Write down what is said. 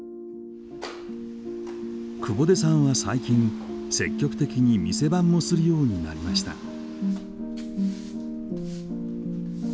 久保出さんは最近積極的に店番もするようになりました。